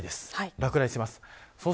落雷しています。